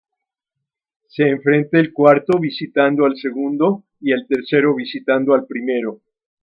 Se enfrenta el cuarto visitando al segundo y el tercero visitando al primero.